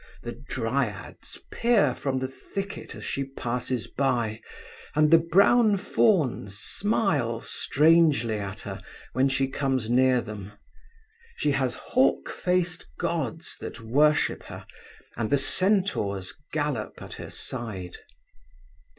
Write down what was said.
The dryads peer from the thicket as she passes by, and the brown fauns smile strangely at her when she comes near them. She has hawk faced gods that worship her, and the centaurs gallop at her side.